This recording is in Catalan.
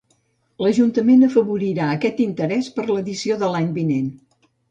L'Ajuntament afavorirà aquest interès per a l'edició de l'any vinent.